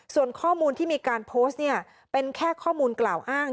ส่วนข้อมูลที่มีการโพสต์เนี่ยเป็นแค่ข้อมูลกล่าวอ้าง